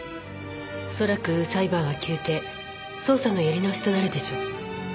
恐らく裁判は休廷捜査のやり直しとなるでしょう。